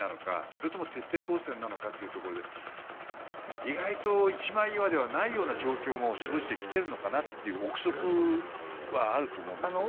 それとも徹底抗戦なのかというところで意外と一枚岩ではない状況も生じてきているのかなという憶測はあると思うんですけど。